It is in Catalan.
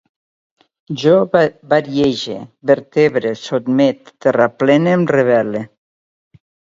Jo variege, vertebre, sotmet, terraplene, em rebel·le